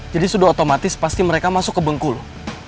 jadi sudah otomatis pasti mereka masuk ke bungkulu